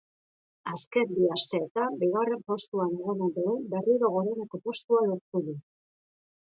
Azken bi asteetan bigarren postuan egon ondoren, berriro goreneko postua lortu du.